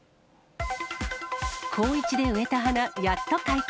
高１で植えた花やっと開花。